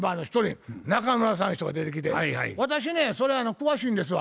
人が出てきて「私ねそれ詳しいんですわ。